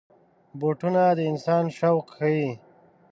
بوټونه د انسان شوق ښيي.